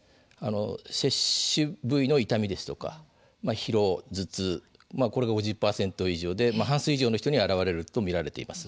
接種部位の痛みですとか疲労、頭痛これが５０％以上で半数以上の人に現れると見られています。